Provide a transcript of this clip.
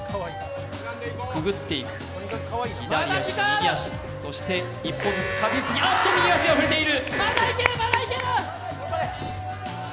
くぐっていく、左足、右足、そして一歩ずつ、あっと右足が触れている。